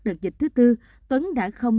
đợt dịch thứ tư tuấn đã không